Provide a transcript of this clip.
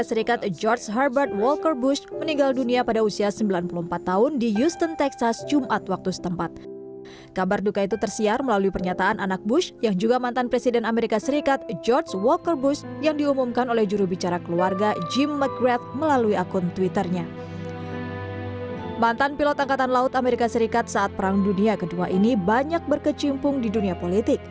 sekarang kita bisa melihat dunia baru yang akan terlihat